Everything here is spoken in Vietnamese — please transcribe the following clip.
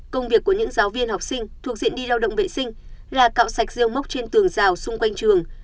công việc của những giáo viên học sinh thuộc diện đi lao động vệ sinh là cạo sạch rêu mốc trên tường rào xung quanh trường